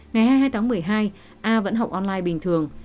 ngày hai mươi hai tháng một mươi hai a vẫn học online bình thường